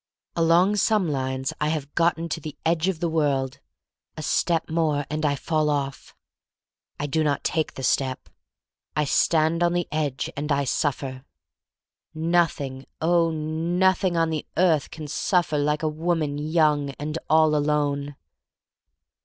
Along some lines I have gotten to the edge of the world. A step more and I fall off. I do not take the step. I stand on the edge, and I suffer. Nothing, oh, nothing on the earth can suffer like a woman young and all alone!